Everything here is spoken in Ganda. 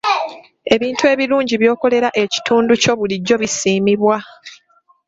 Ebintu ebirungi by'okolera ekitundu kyo bulijjo bisiimibwa.